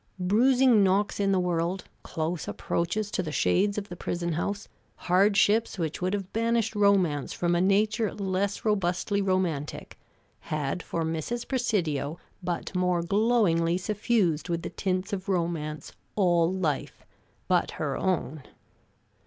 Bruising knocks in the world, close approaches to the shades of the prison house, hardships which would have banished romance from a nature less robustly romantic, had for Mrs. Presidio but more glowingly suffused with the tints of romance all life but her own!